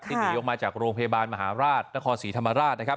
หนีออกมาจากโรงพยาบาลมหาราชนครศรีธรรมราชนะครับ